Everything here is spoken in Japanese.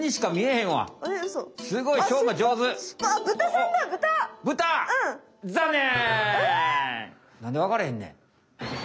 なんで分かれへんねん。